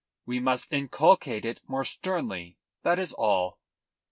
We must inculcate it more sternly, that is all."